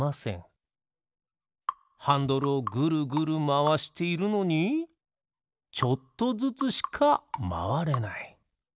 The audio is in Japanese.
ハンドルをグルグルまわしているのにちょっとずつしかまわれない。